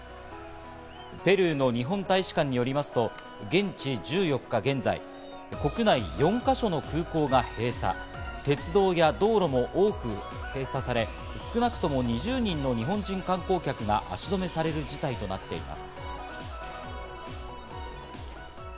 ペルーの日本大使館によりますと現地１４日現在、国内４か所の空港が閉鎖、鉄道や、道路も多く封鎖され、少なくとも２０人の日本人観光客が足止めされる事態となっています。